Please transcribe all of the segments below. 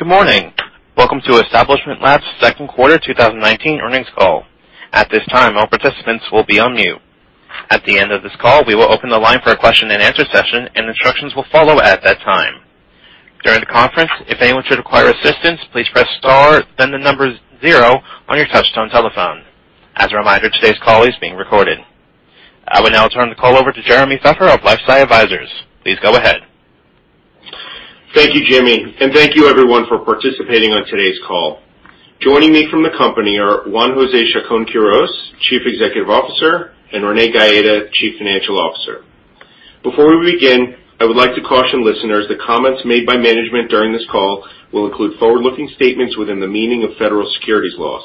Good morning. Welcome to Establishment Labs' second quarter 2019 earnings call. At this time, all participants will be on mute. At the end of this call, we will open the line for a question and answer session, and instructions will follow at that time. During the conference, if anyone should require assistance, please press star, then the number 0 on your touch-tone telephone. As a reminder, today's call is being recorded. I will now turn the call over to Jeremy Feffer of LifeSci Advisors. Please go ahead. Thank you, Jeremy, thank you everyone for participating on today's call. Joining me from the company are Juan José Chacón-Quirós, Chief Executive Officer, and Renee Gaeta, Chief Financial Officer. Before we begin, I would like to caution listeners that comments made by management during this call will include forward-looking statements within the meaning of federal securities laws.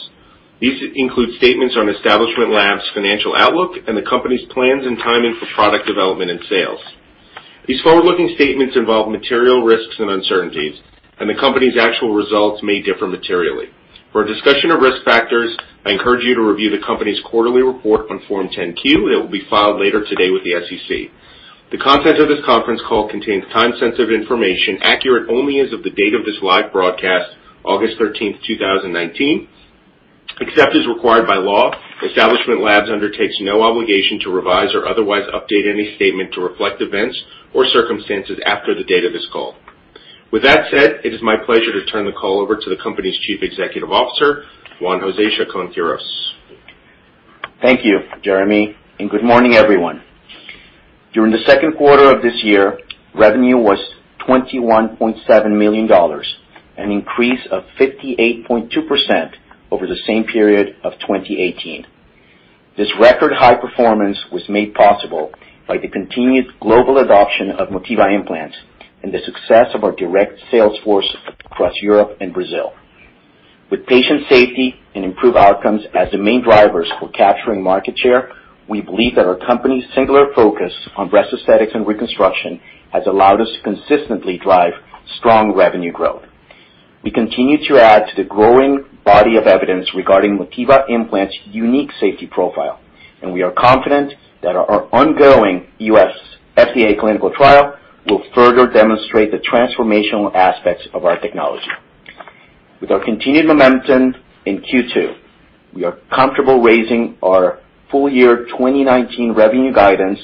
These include statements on Establishment Labs' financial outlook and the company's plans and timing for product development and sales. These forward-looking statements involve material risks and uncertainties, and the company's actual results may differ materially. For a discussion of risk factors, I encourage you to review the company's quarterly report on Form 10-Q that will be filed later today with the SEC. The content of this conference call contains time-sensitive information accurate only as of the date of this live broadcast, August 13, 2019. Except as required by law, Establishment Labs undertakes no obligation to revise or otherwise update any statement to reflect events or circumstances after the date of this call. With that said, it is my pleasure to turn the call over to the company's Chief Executive Officer, Juan José Chacón-Quirós. Thank you, Jeremy, and good morning, everyone. During the second quarter of this year, revenue was $21.7 million, an increase of 58.2% over the same period of 2018. This record-high performance was made possible by the continued global adoption of Motiva Implants and the success of our direct sales force across Europe and Brazil. With patient safety and improved outcomes as the main drivers for capturing market share, we believe that our company's singular focus on breast aesthetics and reconstruction has allowed us to consistently drive strong revenue growth. We continue to add to the growing body of evidence regarding Motiva Implants' unique safety profile, and we are confident that our ongoing U.S. FDA clinical trial will further demonstrate the transformational aspects of our technology. With our continued momentum in Q2, we are comfortable raising our full year 2019 revenue guidance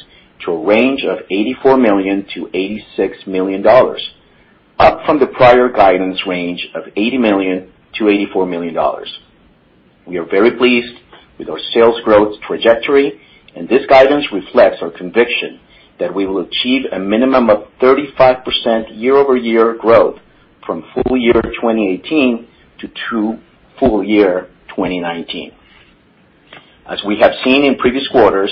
to a range of $84 million-$86 million, up from the prior guidance range of $80 million-$84 million. We are very pleased with our sales growth trajectory, and this guidance reflects our conviction that we will achieve a minimum of 35% year-over-year growth from full year 2018 to full year 2019. As we have seen in previous quarters,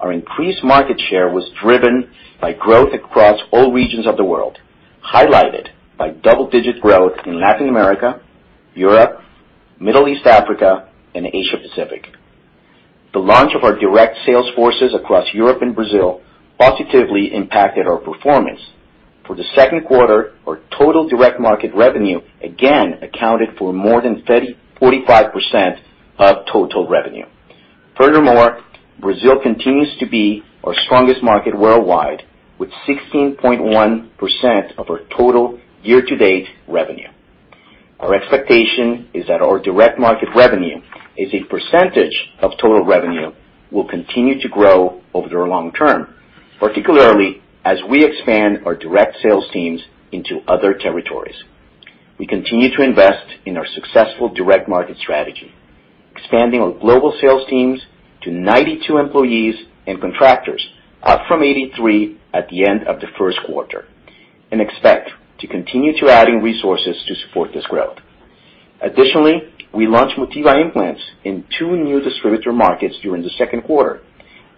our increased market share was driven by growth across all regions of the world, highlighted by double-digit growth in Latin America, Europe, Middle East, Africa, and Asia Pacific. The launch of our direct sales forces across Europe and Brazil positively impacted our performance. For the second quarter, our total direct market revenue again accounted for more than 45% of total revenue. Furthermore, Brazil continues to be our strongest market worldwide, with 16.1% of our total year-to-date revenue. Our expectation is that our direct market revenue as a percentage of total revenue will continue to grow over the long term, particularly as we expand our direct sales teams into other territories. We continue to invest in our successful direct market strategy, expanding our global sales teams to 92 employees and contractors, up from 83 at the end of the first quarter, and expect to continue to adding resources to support this growth. Additionally, we launched Motiva Implants in two new distributor markets during the second quarter,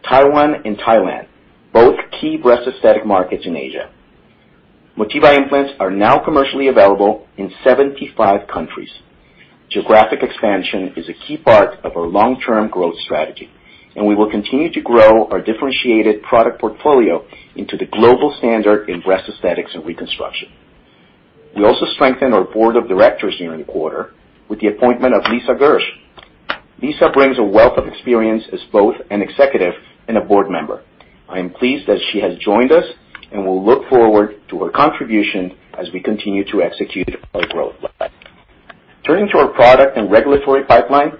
Taiwan and Thailand, both key breast aesthetic markets in Asia. Motiva Implants are now commercially available in 75 countries. Geographic expansion is a key part of our long-term growth strategy, and we will continue to grow our differentiated product portfolio into the global standard in breast aesthetics and reconstruction. We also strengthened our board of directors during the quarter with the appointment of Lisa Gersh. Lisa brings a wealth of experience as both an executive and a board member. I am pleased that she has joined us and will look forward to her contribution as we continue to execute our growth plan. Turning to our product and regulatory pipeline,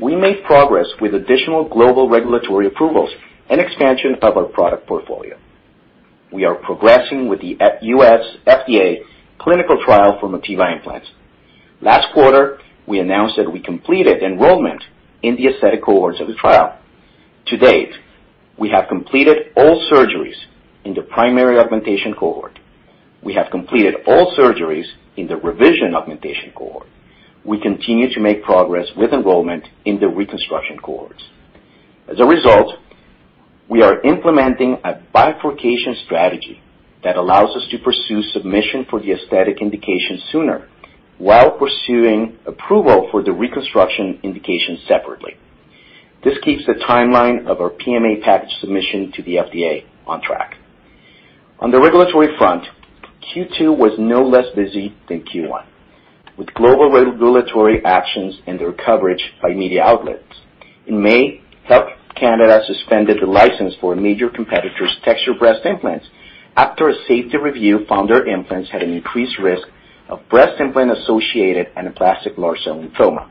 we made progress with additional global regulatory approvals and expansion of our product portfolio. We are progressing with the U.S. FDA clinical trial for Motiva Implants. Last quarter, we announced that we completed enrollment in the aesthetic cohorts of the trial. To date, we have completed all surgeries in the primary augmentation cohort. We have completed all surgeries in the revision augmentation cohort. We continue to make progress with enrollment in the reconstruction cohorts. As a result, we are implementing a bifurcation strategy that allows us to pursue submission for the aesthetic indication sooner while pursuing approval for the reconstruction indication separately. This keeps the timeline of our PMA package submission to the FDA on track. On the regulatory front, Q2 was no less busy than Q1, with global regulatory actions and their coverage by media outlets. In May, Health Canada suspended the license for a major competitor's textured breast implants after a safety review found their implants had an increased risk of breast implant-associated anaplastic large cell lymphoma,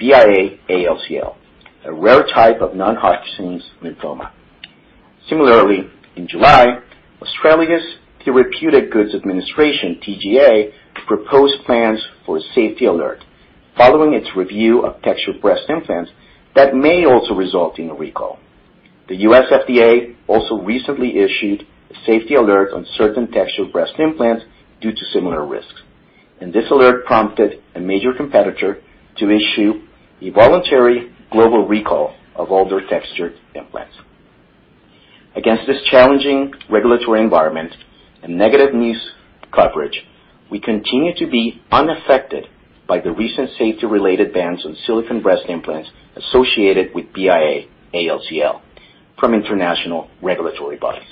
BIA-ALCL, a rare type of non-Hodgkin lymphoma. Similarly, in July, Australia's Therapeutic Goods Administration, TGA, proposed plans for a safety alert following its review of textured breast implants that may also result in a recall. The U.S. FDA also recently issued a safety alert on certain textured breast implants due to similar risks. This alert prompted a major competitor to issue a voluntary global recall of all their textured implants. Against this challenging regulatory environment and negative news coverage, we continue to be unaffected by the recent safety-related bans on silicone breast implants associated with BIA-ALCL from international regulatory bodies.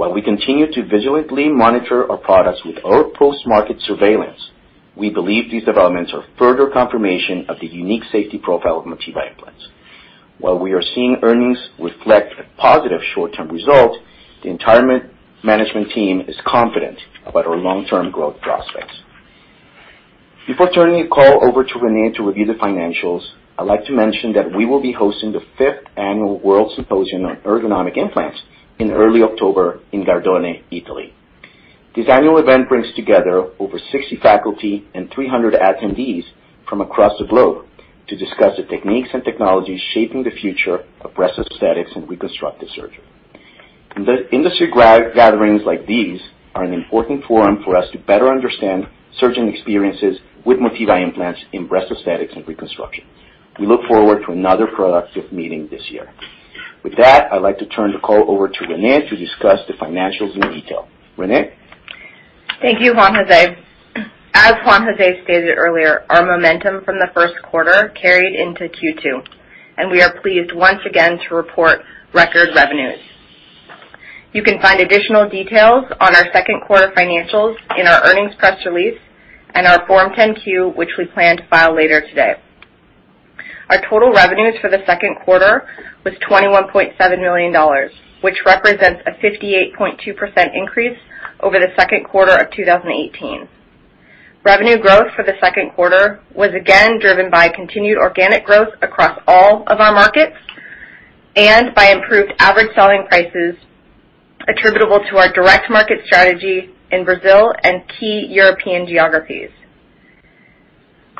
While we continue to vigilantly monitor our products with our post-market surveillance, we believe these developments are further confirmation of the unique safety profile of Motiva Implants. While we are seeing earnings reflect a positive short-term result, the entire management team is confident about our long-term growth prospects. Before turning the call over to Renee to review the financials, I'd like to mention that we will be hosting the fifth annual World Symposium on Ergonomic Implants in early October in Gardone, Italy. This annual event brings together over 60 faculty and 300 attendees from across the globe to discuss the techniques and technologies shaping the future of breast aesthetics and reconstructive surgery. Industry gatherings like these are an important forum for us to better understand surgeon experiences with Motiva Implants in breast aesthetics and reconstruction. We look forward to another productive meeting this year. With that, I'd like to turn the call over to Renee to discuss the financials in detail. Renee? Thank you, Juan José. As Juan José stated earlier, our momentum from the first quarter carried into Q2, and we are pleased once again to report record revenues. You can find additional details on our second quarter financials in our earnings press release and our Form 10-Q, which we plan to file later today. Our total revenues for the second quarter was $21.7 million, which represents a 58.2% increase over the second quarter of 2018. Revenue growth for the second quarter was again driven by continued organic growth across all of our markets and by improved average selling prices attributable to our direct market strategy in Brazil and key European geographies.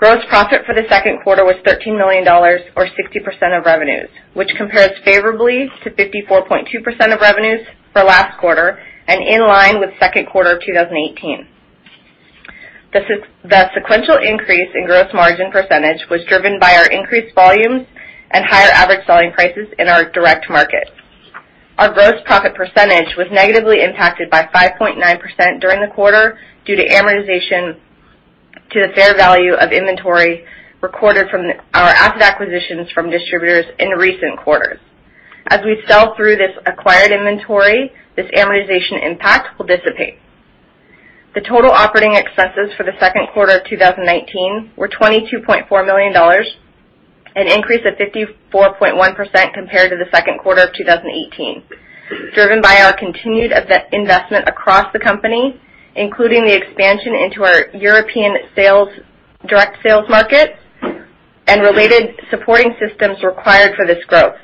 Gross profit for the second quarter was $13 million, or 60% of revenues, which compares favorably to 54.2% of revenues for last quarter and in line with second quarter of 2018. The sequential increase in gross margin percentage was driven by our increased volumes and higher average selling prices in our direct markets. Our gross profit percentage was negatively impacted by 5.9% during the quarter due to amortization to the fair value of inventory recorded from our asset acquisitions from distributors in recent quarters. As we sell through this acquired inventory, this amortization impact will dissipate. The total operating expenses for the second quarter of 2019 were $22.4 million, an increase of 54.1% compared to the second quarter of 2018, driven by our continued investment across the company, including the expansion into our European direct sales market and related supporting systems required for this growth.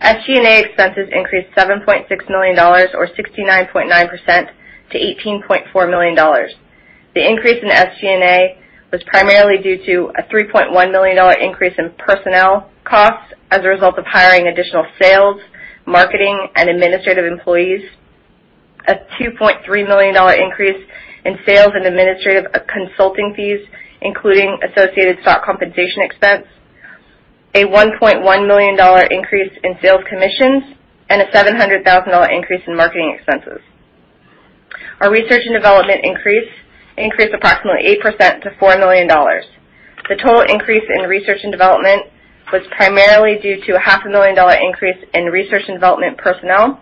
SG&A expenses increased $7.6 million or 69.9% to $18.4 million. The increase in SG&A was primarily due to a $3.1 million increase in personnel costs as a result of hiring additional sales, marketing, and administrative employees, a $2.3 million increase in sales and administrative consulting fees, including associated stock compensation expense, a $1.1 million increase in sales commissions, and a $700,000 increase in marketing expenses. Our research and development increased approximately 8% to $4 million. The total increase in research and development was primarily due to a $500,000 increase in research and development personnel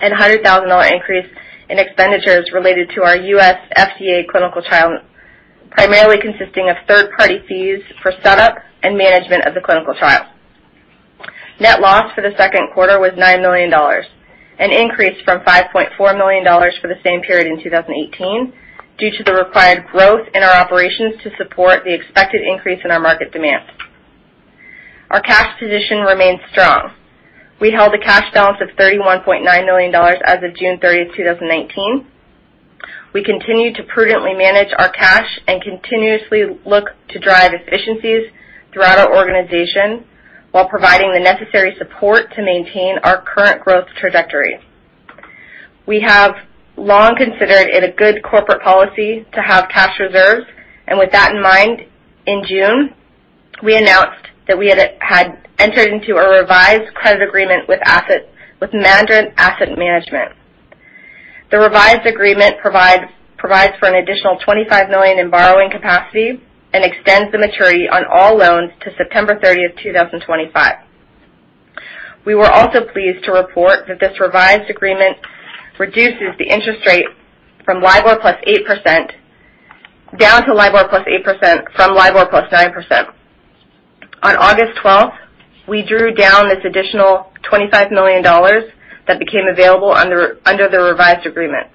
and $100,000 increase in expenditures related to our U.S. FDA clinical trial, primarily consisting of third-party fees for setup and management of the clinical trial. Net loss for the second quarter was $9 million, an increase from $5.4 million for the same period in 2018 due to the required growth in our operations to support the expected increase in our market demand. Our cash position remains strong. We held a cash balance of $31.9 million as of June 30th, 2019. We continue to prudently manage our cash and continuously look to drive efficiencies throughout our organization while providing the necessary support to maintain our current growth trajectory. We have long considered it a good corporate policy to have cash reserves, and with that in mind, in June, we announced that we had entered into a revised credit agreement with Madryn Asset Management. The revised agreement provides for an additional $25 million in borrowing capacity and extends the maturity on all loans to September 30th, 2025. We were also pleased to report that this revised agreement reduces the interest rate down to LIBOR plus 8% from LIBOR plus 9%. On August 12th, we drew down this additional $25 million that became available under the revised agreement.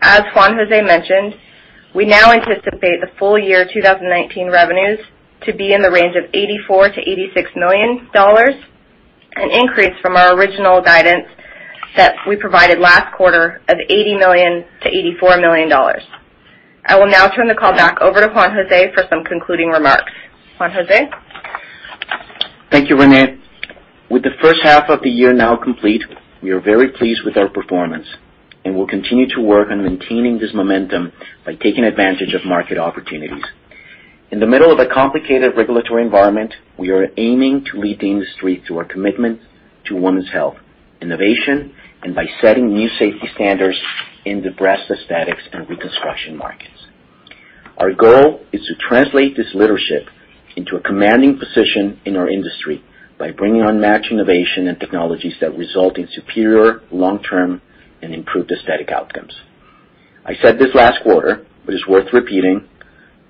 As Juan José mentioned, we now anticipate the full year 2019 revenues to be in the range of $84 million-$86 million, an increase from our original guidance that we provided last quarter of $80 million-$84 million. I will now turn the call back over to Juan José for some concluding remarks. Juan José? Thank you, Renee. With the first half of the year now complete, we are very pleased with our performance and will continue to work on maintaining this momentum by taking advantage of market opportunities. In the middle of a complicated regulatory environment, we are aiming to lead the industry through our commitment to women's health, innovation, and by setting new safety standards in the breast aesthetics and reconstruction markets. Our goal is to translate this leadership into a commanding position in our industry by bringing unmatched innovation and technologies that result in superior long-term and improved aesthetic outcomes. I said this last quarter, but it's worth repeating.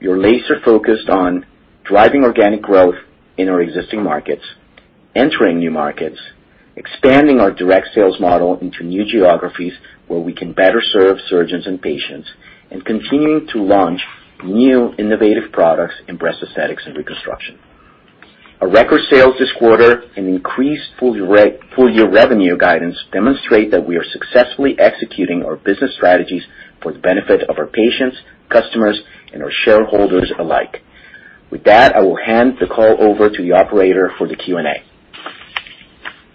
We are laser-focused on driving organic growth in our existing markets, entering new markets, expanding our direct sales model into new geographies where we can better serve surgeons and patients, and continuing to launch new innovative products in breast aesthetics and reconstruction. A record sales this quarter, an increased full-year revenue guidance demonstrate that we are successfully executing our business strategies for the benefit of our patients, customers, and our shareholders alike. With that, I will hand the call over to the operator for the Q&A.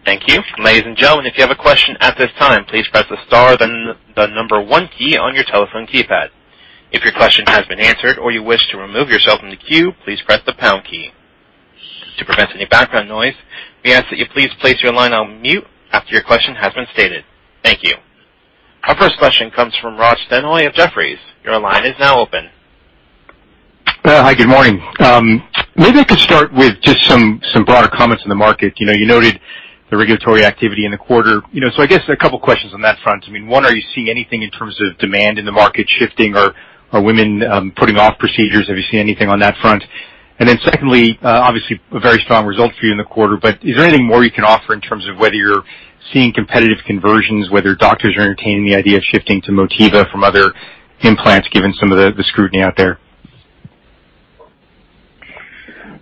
Thank you. Ladies and gentlemen, if you have a question at this time, please press the star then the number 1 key on your telephone keypad. If your question has been answered or you wish to remove yourself from the queue, please press the pound key. To prevent any background noise, we ask that you please place your line on mute after your question has been stated. Thank you. Our first question comes from Raj Denhoy of Jefferies. Your line is now open. Hi, good morning. Maybe I could start with just some broader comments on the market. You noted the regulatory activity in the quarter. I guess a couple questions on that front. One, are you seeing anything in terms of demand in the market shifting, or are women putting off procedures? Have you seen anything on that front? Secondly, obviously, a very strong result for you in the quarter, but is there anything more you can offer in terms of whether you're seeing competitive conversions, whether doctors are entertaining the idea of shifting to Motiva from other implants, given some of the scrutiny out there?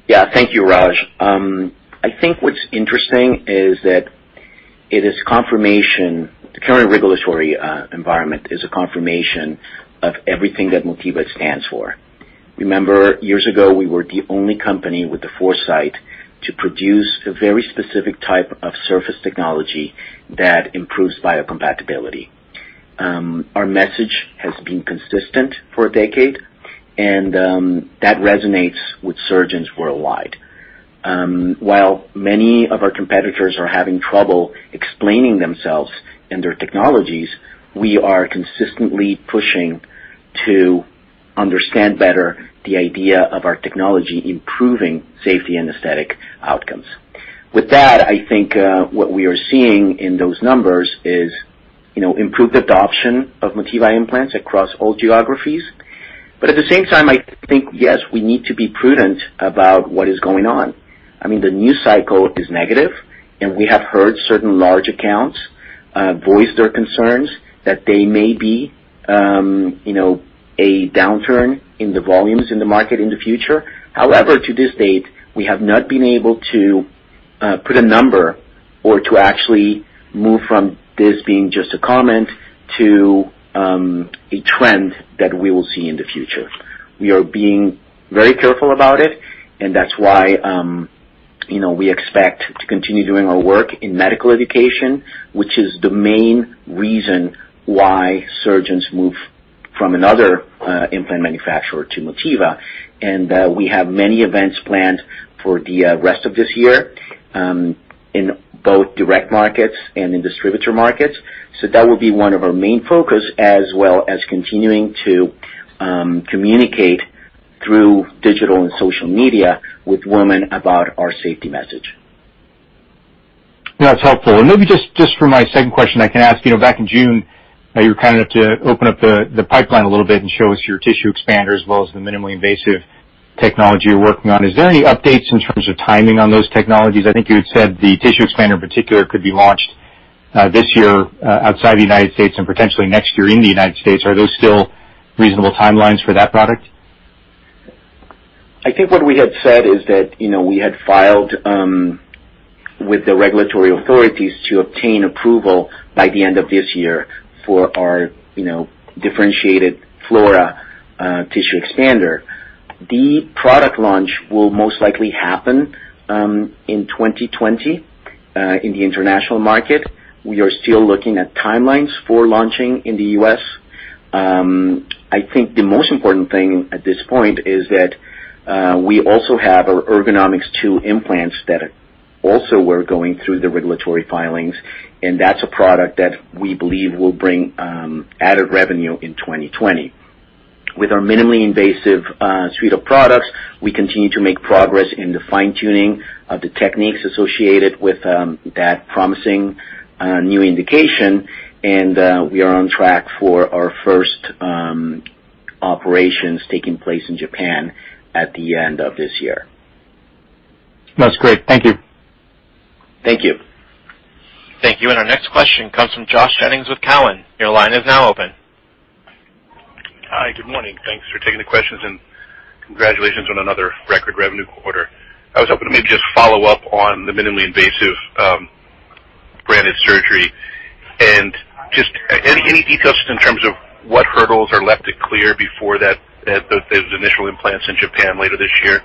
Yeah. Thank you, Raj. I think what's interesting is that the current regulatory environment is a confirmation of everything that Motiva stands for. Remember, years ago, we were the only company with the foresight to produce a very specific type of surface technology that improves biocompatibility. Our message has been consistent for a decade, and that resonates with surgeons worldwide. While many of our competitors are having trouble explaining themselves and their technologies, we are consistently pushing to understand better the idea of our technology improving safety and aesthetic outcomes. With that, I think what we are seeing in those numbers is improved adoption of Motiva Implants across all geographies. At the same time, I think, yes, we need to be prudent about what is going on. The news cycle is negative. We have heard certain large accounts voice their concerns that they may be a downturn in the volumes in the market in the future. However, to this date, we have not been able to put a number or to actually move from this being just a comment to a trend that we will see in the future. We are being very careful about it, and that's why we expect to continue doing our work in medical education, which is the main reason why surgeons move from another implant manufacturer to Motiva. We have many events planned for the rest of this year in both direct markets and in distributor markets. That will be one of our main focus, as well as continuing to communicate through digital and social media with women about our safety message. That's helpful. Maybe just for my second question, I can ask. Back in June, you were kind enough to open up the pipeline a little bit and show us your tissue expander as well as the minimally invasive technology you're working on. Is there any updates in terms of timing on those technologies? I think you had said the tissue expander in particular could be launched this year outside the U.S. and potentially next year in the U.S. Are those still reasonable timelines for that product? I think what we had said is that we had filed with the regulatory authorities to obtain approval by the end of this year for our differentiated Motiva Flora tissue expander. The product launch will most likely happen in 2020 in the international market. We are still looking at timelines for launching in the U.S. I think the most important thing at this point is that we also have our Ergonomix2 implants that also were going through the regulatory filings, and that's a product that we believe will bring added revenue in 2020. With our minimally invasive suite of products, we continue to make progress in the fine-tuning of the techniques associated with that promising new indication, and we are on track for our first operations taking place in Japan at the end of this year. That's great. Thank you. Thank you. Thank you. Our next question comes from Josh Jennings with Cowen. Your line is now open. Hi. Good morning. Thanks for taking the questions, and congratulations on another record revenue quarter. I was hoping to maybe just follow up on the minimally invasive branded surgery and just any details just in terms of what hurdles are left to clear before those initial implants in Japan later this year,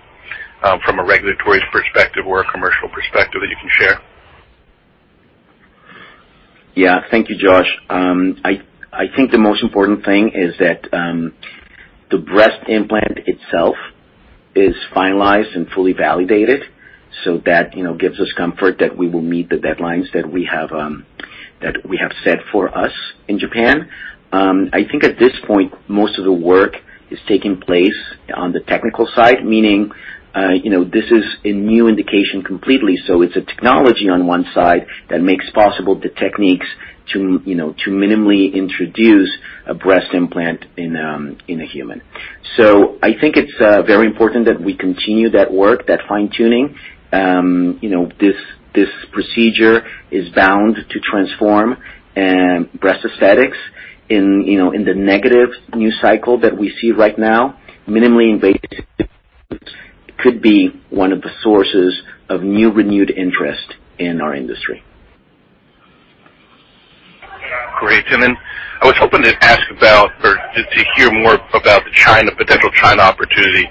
from a regulatory perspective or a commercial perspective that you can share? Thank you, Josh. I think the most important thing is that the breast implant itself is finalized and fully validated, so that gives us comfort that we will meet the deadlines that we have set for us in Japan. I think at this point, most of the work is taking place on the technical side, meaning, this is a new indication completely. It's a technology on one side that makes possible the techniques to minimally introduce a breast implant in a human. I think it's very important that we continue that work, that fine-tuning. This procedure is bound to transform breast aesthetics in the negative news cycle that we see right now. Minimally invasive could be one of the sources of new renewed interest in our industry. Great. I was hoping to ask about, or to hear more about the potential China opportunity.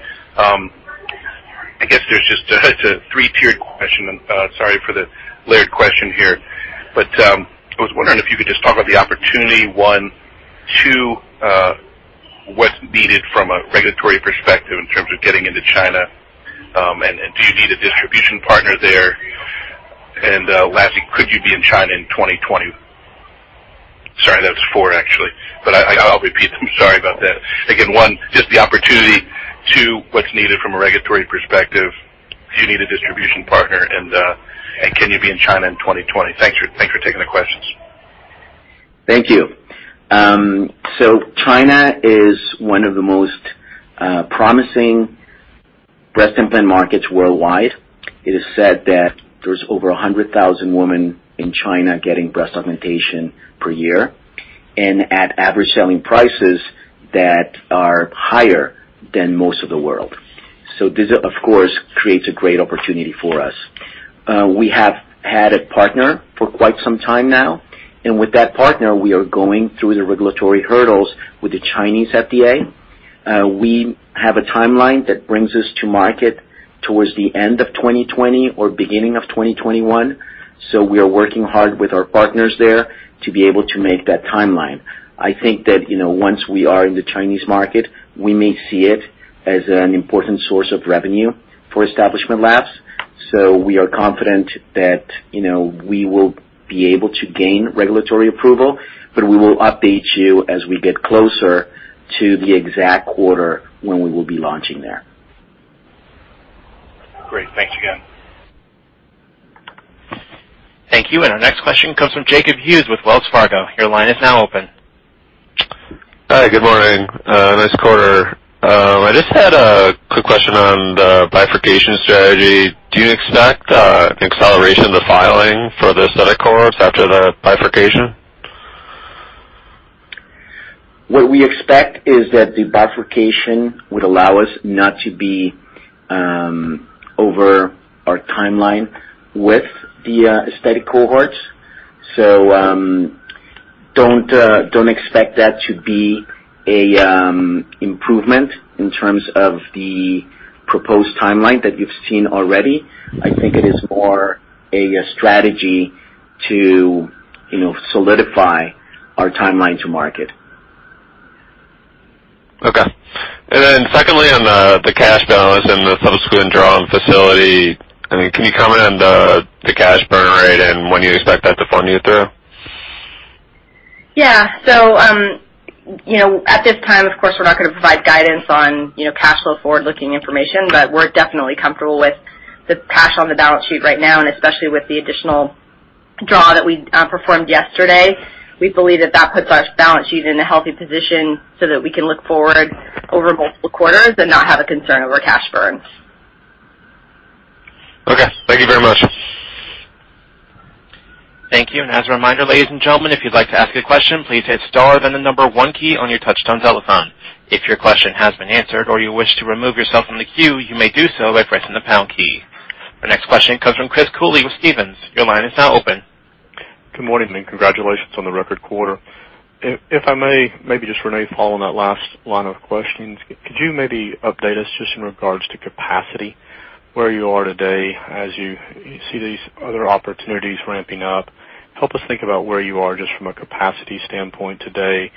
I guess there's just a 3-tiered question, and sorry for the layered question here, but I was wondering if you could just talk about the opportunity, one. Two, what's needed from a regulatory perspective in terms of getting into China, and do you need a distribution partner there? Lastly, could you be in China in 2020? Sorry, that's four actually, but I'll repeat them. Sorry about that. Again, one, just the opportunity. Two, what's needed from a regulatory perspective? Do you need a distribution partner, and can you be in China in 2020? Thanks for taking the questions. Thank you. China is one of the most promising breast implant markets worldwide. It is said that there's over 100,000 women in China getting breast augmentation per year, and at average selling prices that are higher than most of the world. This, of course, creates a great opportunity for us. We have had a partner for quite some time now, and with that partner, we are going through the regulatory hurdles with the Chinese FDA. We have a timeline that brings us to market towards the end of 2020 or beginning of 2021, so we are working hard with our partners there to be able to make that timeline. I think that once we are in the Chinese market, we may see it as an important source of revenue for Establishment Labs. We are confident that we will be able to gain regulatory approval, but we will update you as we get closer to the exact quarter when we will be launching there. Great. Thanks again. Thank you. Our next question comes from Jacob Hughes with Wells Fargo. Your line is now open. Hi. Good morning. Nice quarter. I just had a quick question on the bifurcation strategy. Do you expect acceleration of the filing for the aesthetic cohorts after the bifurcation? What we expect is that the bifurcation would allow us not to be over our timeline with the aesthetic cohorts. Don't expect that to be an improvement in terms of the proposed timeline that you've seen already. I think it is more a strategy to solidify our timeline to market. Okay. Then secondly, on the cash balance and the subsequent drawn facility, can you comment on the cash burn rate and when you expect that to fund you through? Yeah. At this time, of course, we're not going to provide guidance on cash flow forward-looking information. We're definitely comfortable with the cash on the balance sheet right now, and especially with the additional draw that we performed yesterday. We believe that that puts our balance sheet in a healthy position so that we can look forward over multiple quarters and not have a concern over cash burns. Okay. Thank you very much. Thank you. As a reminder, ladies and gentlemen, if you'd like to ask a question, please hit star then the number 1 key on your touch-tone telephone. If your question has been answered or you wish to remove yourself from the queue, you may do so by pressing the pound key. Our next question comes from Chris Cooley with Stephens. Your line is now open. Good morning. Congratulations on the record quarter. If I may, maybe just, Renee, follow on that last line of questioning. Could you maybe update us just in regards to capacity, where you are today as you see these other opportunities ramping up? Help us think about where you are just from a capacity standpoint today,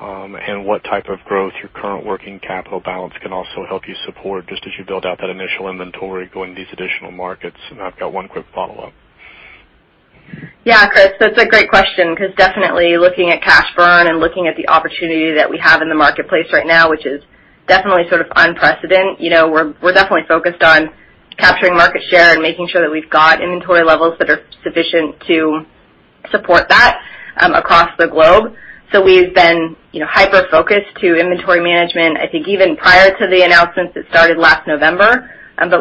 and what type of growth your current working capital balance can also help you support just as you build out that initial inventory going these additional markets. I've got one quick follow-up. Yeah, Chris, that's a great question because definitely looking at cash burn and looking at the opportunity that we have in the marketplace right now, which is definitely sort of unprecedented. We're definitely focused on capturing market share and making sure that we've got inventory levels that are sufficient to support that across the globe. We've been hyper-focused to inventory management, I think even prior to the announcements that started last November.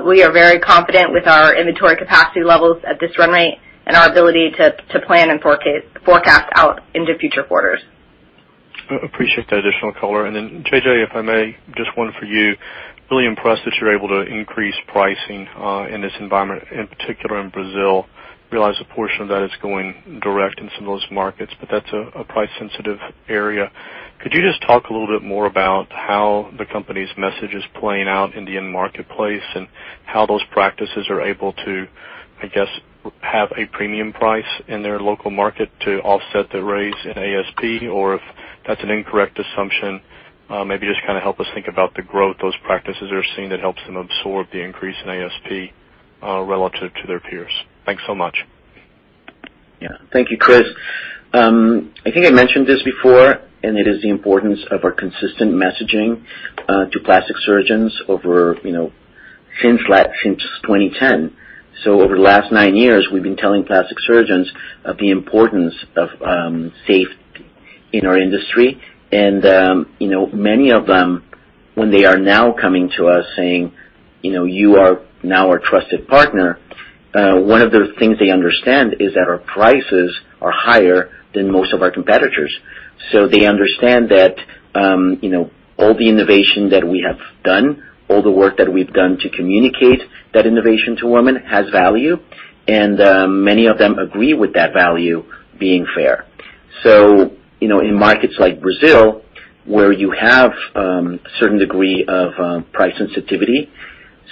We are very confident with our inventory capacity levels at this run rate and our ability to plan and forecast out into future quarters. I appreciate that additional color. JJ, if I may, just one for you. Really impressed that you're able to increase pricing in this environment, in particular in Brazil. Realize a portion of that is going direct in some of those markets, but that's a price-sensitive area. Could you just talk a little bit more about how the company's message is playing out in the end marketplace, and how those practices are able to, I guess, have a premium price in their local market to offset the raise in ASP? If that's an incorrect assumption, maybe just kind of help us think about the growth those practices are seeing that helps them absorb the increase in ASP, relative to their peers. Thanks so much. Yeah, thank you, Chris. I think I mentioned this before. It is the importance of our consistent messaging to plastic surgeons since 2010. Over the last nine years, we've been telling plastic surgeons of the importance of safety in our industry. Many of them, when they are now coming to us saying, "You are now our trusted partner," one of the things they understand is that our prices are higher than most of our competitors. They understand that all the innovation that we have done, all the work that we've done to communicate that innovation to women, has value. Many of them agree with that value being fair. In markets like Brazil, where you have a certain degree of price sensitivity,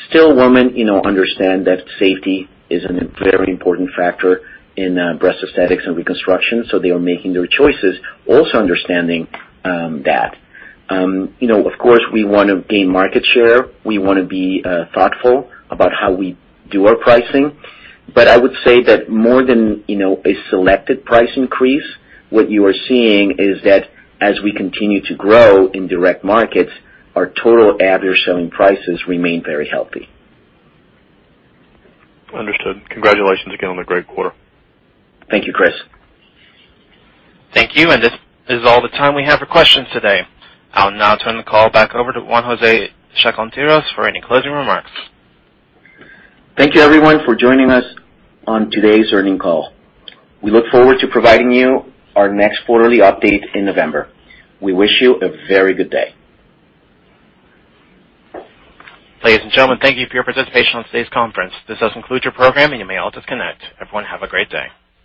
still women understand that safety is a very important factor in breast aesthetics and reconstruction. They are making their choices also understanding that. Of course, we want to gain market share. We want to be thoughtful about how we do our pricing. I would say that more than a selected price increase, what you are seeing is that as we continue to grow in direct markets, our total average selling prices remain very healthy. Understood. Congratulations again on the great quarter. Thank you, Chris. Thank you. This is all the time we have for questions today. I'll now turn the call back over to Juan José Chacón-Quirós for any closing remarks. Thank you everyone for joining us on today's earnings call. We look forward to providing you our next quarterly update in November. We wish you a very good day. Ladies and gentlemen, thank you for your participation on today's conference. This does conclude your program, and you may all disconnect. Everyone, have a great day.